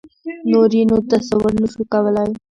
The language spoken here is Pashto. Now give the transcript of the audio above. نور یې نو تصور نه شو کولای.